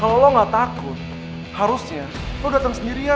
kalau lo gak takut harusnya lo datang sendirian